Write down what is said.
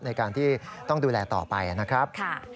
ในการที่ต้องดูแลต่อไปนะครับ